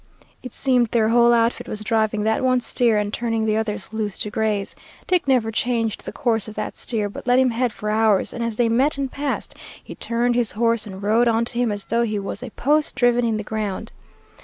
"It seemed their whole outfit was driving that one steer, and turning the others loose to graze. Dick never changed the course of that steer, but let him head for ours, and as they met and passed, he turned his horse and rode onto him as though he was a post driven in the ground.